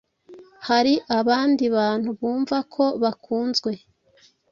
Hari abandi bantu bumva ko bakunzwe